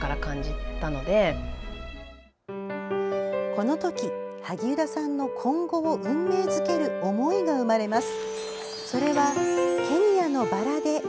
この時萩生田さんの今後を運命づける思いが生まれます。